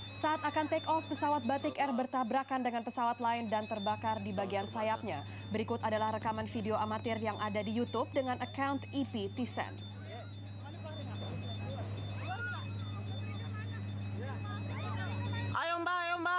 pesawat batik air bertabrakan dengan pesawat lain di bandara halim perdana kusuma